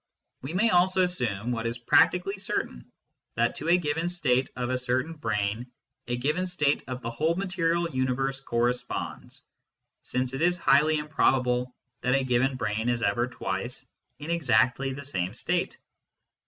We may also assume, what is practically certain, that to a given state of a certain brain a given state of the whole material universe corresponds, since it is highly improbable that a given brain is ever twice in exactly the same state.